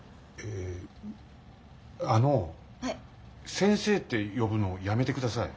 先生って呼ぶのやめてください。